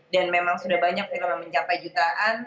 dan memang sudah banyak film yang mencapai jutaan